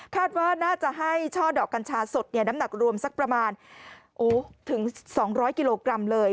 ว่าน่าจะให้ช่อดอกกัญชาสดน้ำหนักรวมสักประมาณถึง๒๐๐กิโลกรัมเลย